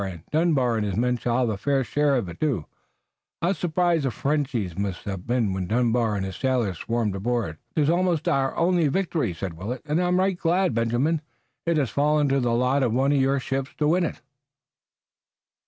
And Dunbar and his men shall have a fair share of it, too. How surprised the Frenchies must have been when Dunbar and his sailors swarmed aboard." "'Tis almost our only victory," said Willet, "and I'm right glad, Benjamin, it has fallen to the lot of one of your ships to win it."